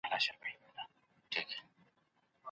په لاس لیکل د شکلونو د پیژندلو توان لوړوي.